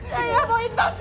saya mau tintan